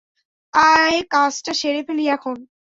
আয় কাজটা সেরে ফেলি এখন।